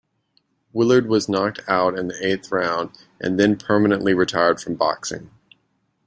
Willard was knocked out in the eighth round, and then permanently retired from boxing.